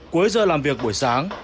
cuối giờ làm việc buổi sáng